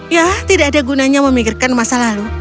ya tidak ada gunanya memikirkan masa lalu